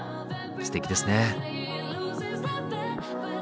すてきですね。